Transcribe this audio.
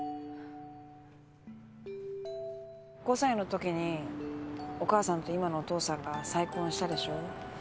５歳のときにお母さんと今のお父さんが再婚したでしょ。